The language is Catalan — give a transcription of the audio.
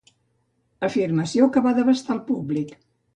Afirmació que va devastar el públic.